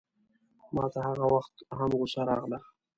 ماته هغه وخت هم غوسه راغله.